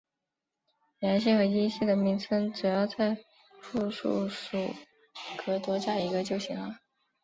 阳性和阴性的名词只要在复数属格多加一个就行了。